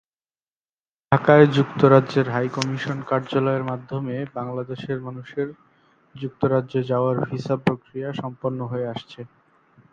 ঢাকায় যুক্তরাজ্যের হাইকমিশন কার্যালয়ের মাধ্যমে বাংলাদেশের মানুষের যুক্তরাজ্যে যাওয়ার ভিসা-প্রক্রিয়া সম্পন্ন হয়ে আসছে।